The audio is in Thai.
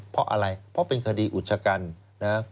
เพราะอะไรเพราะเป็นคดีอุจจกรรมนะครับ